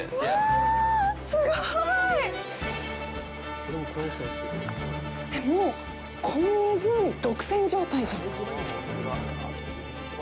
すごい。えっ、もう、この湖、独占状態じゃん。